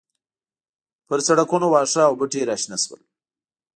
پر سړکونو واښه او بوټي راشنه شول